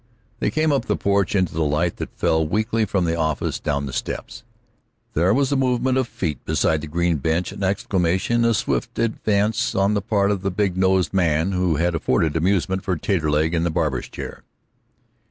They came up the porch into the light that fell weakly from the office down the steps. There was a movement of feet beside the green bench, an exclamation, a swift advance on the part of the big nosed man who had afforded amusement for Taterleg in the barber's chair.